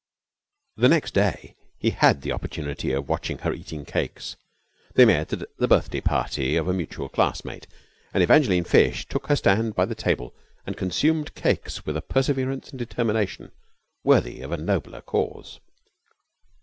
The next day he had the opportunity of watching her eating cakes. They met at the birthday party of a mutual classmate, and Evangeline Fish took her stand by the table and consumed cakes with a perseverance and determination worthy of a nobler cause.